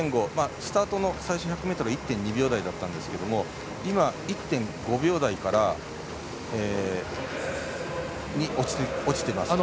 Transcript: スタートの最初の１００ｍは１．２秒台だったんですが今は１．５秒台に落ちています。